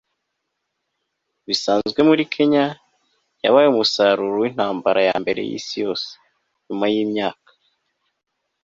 bisanzwe muri kenya. yabaye umusaruro w'intambara ya mbere y'isi yose. nyuma yimyaka